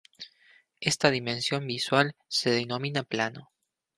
Esta dimensión visual se denomina plano.